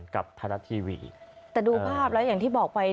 กับไทรัตก็ดูภาพแล้วอย่างที่บอกไว้